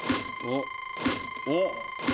おっ！